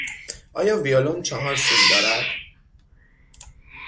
آیا ویولن چهار سیم دارد؟